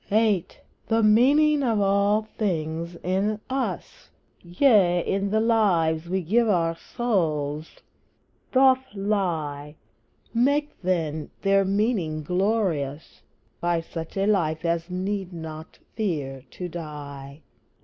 VIII. The meaning of all things in us Yea, in the lives we give our souls doth lie; Make, then, their meaning glorious By such a life as need not fear to die!